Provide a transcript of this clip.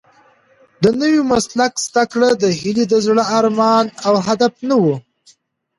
د نوي مسلک زده کړه د هیلې د زړه ارمان او هدف نه و.